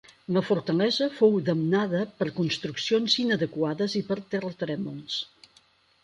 La fortalesa fou damnada per construccions inadequades i per terratrèmols.